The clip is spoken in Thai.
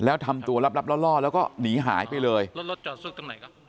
แล้วทำตัวลับลับล่อล่อแล้วก็หนีหายไปเลยแล้วรถจอดสุดตรงไหนครับ